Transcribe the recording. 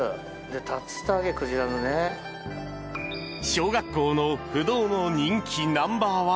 小学校の不動の人気ナンバー